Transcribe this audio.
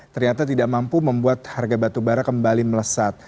ternyata tidak mampu membuat harga batu bara kembali melesat